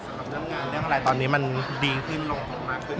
สำหรับเริ่มงานเรื่องอะไรตอนนี้มันดีขึ้นลงมากกว่า